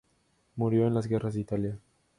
Murió en las guerras de Italia.